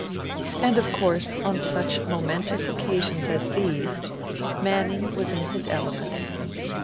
And, of course, on such momentous occasions as these, Manning was in his element.